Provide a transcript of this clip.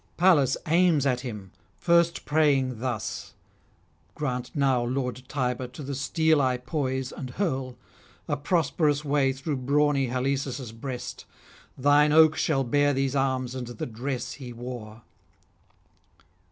Pallas aims at him, first praying thus: 'Grant now, lord Tiber, to the steel I poise and hurl, a prosperous way through brawny Halesus' breast; thine oak shall bear these arms and the dress he wore.'